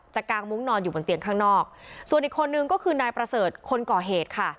กางมุ้งนอนอยู่บนเตียงข้างนอกส่วนอีกคนนึงก็คือนายประเสริฐคนก่อเหตุค่ะ